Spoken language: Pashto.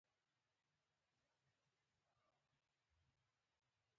لس کاله یې رهبري کړ.